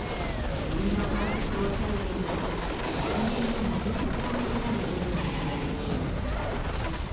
指の感触を頼りに側面の丸いくぼみになる部分を削っています。